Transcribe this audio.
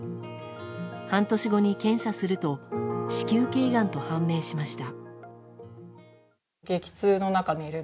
半年後に検査すると子宮頸がんと判明しました。